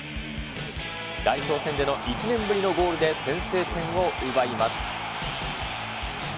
代表戦での１年ぶりのゴールで先制点を奪います。